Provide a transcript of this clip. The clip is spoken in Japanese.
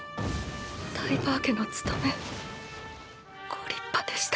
タイバー家の務めご立派でした。